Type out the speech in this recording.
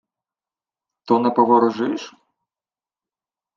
— То не поворожиш?